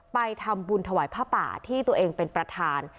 ไปทำบุญถวายผ้าป่าที่ตัวเองเป็นประธาน